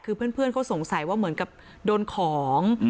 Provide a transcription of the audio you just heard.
คือเพื่อนเขาสงสัยว่าเหมือนกับโดนของ